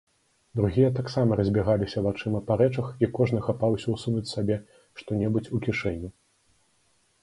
Другія таксама разбягаліся вачыма па рэчах, і кожны хапаўся ўсунуць сабе што-небудзь у кішэню.